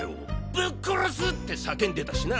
ぶっ殺すって叫んでたしな！